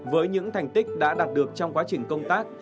với những thành tích đã đạt được trong quá trình công tác